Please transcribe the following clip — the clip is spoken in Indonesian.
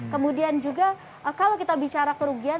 kemudian juga kalau kita bicara kerugian